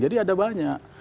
jadi ada banyak